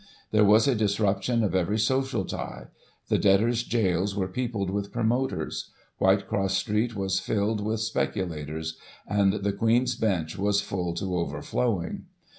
There was a disruption of every social tie. The debtors* jails were peopled with promoters ; Whitecross Street was filled with speculators ; and the Queen's Bench was full to overflowing.